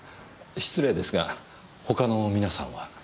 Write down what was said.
失礼ですがほかの皆さんは？